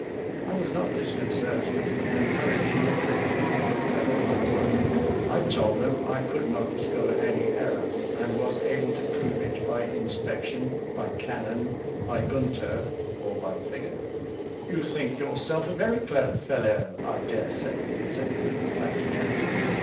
I was not disconcerted, and very deliberately looking over my work, I told them I could not discover any error, and was able to prove it by inspection, by Canon, by Gunter, or by figure. "You think yourself a very clever fellow, I dare say," said the little fat captain.